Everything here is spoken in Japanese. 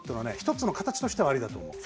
１つの形としてはありだと思う。